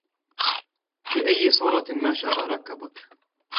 في أي صورة ما شاء ركبك